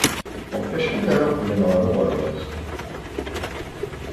Ɣef wacḥal ara qqlen ɣer uɣerbaz?